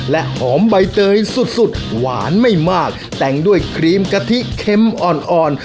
และหอมใบเตยสุดสุดหวานไม่มากแต่งด้วยครีมกะทิเค็มอ่อนอ่อน